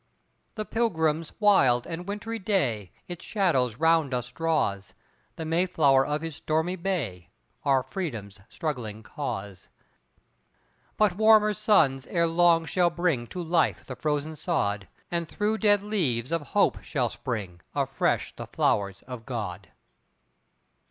The Pilgrim's wild and wintry day Its shadows round us draws; The Mayflower of his stormy bay, Our Freedom's struggling cause. But warmer suns ere long shall bring To life the frozen sod; And through dead leaves of hope shall spring Afresh the flowers of God!